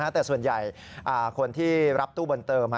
แต่ส่วนใหญ่คนที่รับตู้บนเติม